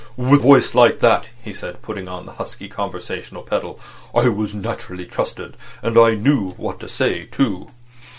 "With a voice like that," he said, putting on the husky conversational pedal, "I was naturally trusted. And I knew what to say, too."